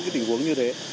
cái tình huống như thế